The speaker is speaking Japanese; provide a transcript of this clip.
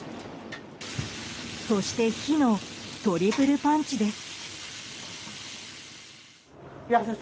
そして火のトリプルパンチです。